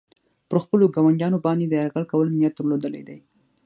پر خپلو ګاونډیانو باندې یې د یرغل کولو نیت درلودلی دی.